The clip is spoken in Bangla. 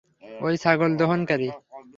ওই ছাগল দোহনকারী।